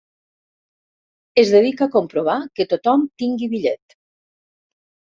Es dedica a comprovar que tothom tingui bitllet.